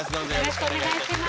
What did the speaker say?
よろしくお願いします。